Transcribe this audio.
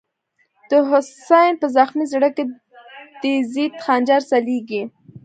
دحسین” په زخمی زړه کی، دیزید خنجر ځلیږی”